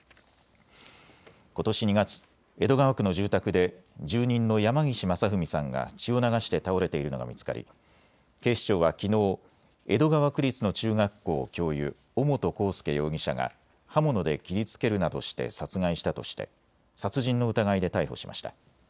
ことし２月、江戸川区の住宅で住人の山岸正文さんが血を流して倒れているのが見つかり警視庁はきのう江戸川区立の中学校教諭、尾本幸祐容疑者が刃物で切りつけるなどして殺害したとして殺人の疑いで逮捕しました。